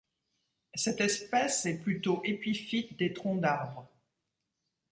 Cette espèce est plutôt épiphyte des troncs d'arbre.